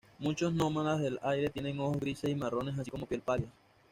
Muchos Nómadas del Aire tienen ojos grises y marrones así como piel pálida.